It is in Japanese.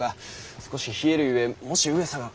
少し冷えるゆえもし上様が。